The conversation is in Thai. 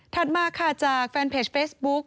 มาค่ะจากแฟนเพจเฟซบุ๊ก